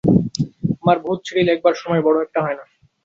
আমার বহুত চিঠি লেখবার সময় বড় একটা হয় না।